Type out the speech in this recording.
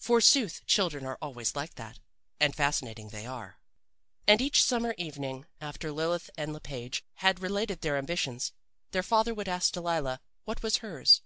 "Forsooth, children are always like that and fascinating they are. "And each summer evening after Lilith and Le Page had related their ambitions, their father would ask Delilah what was hers.